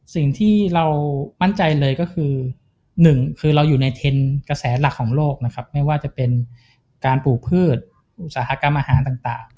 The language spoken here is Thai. สิ่งที่เรามั่นใจเลยก็คือหนึ่งคือเราอยู่ในเทรนด์กระแสหลักของโลกนะครับไม่ว่าจะเป็นการปลูกพืชอุตสาหกรรมอาหารต่าง